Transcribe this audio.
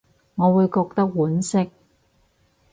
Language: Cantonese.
我會覺得婉惜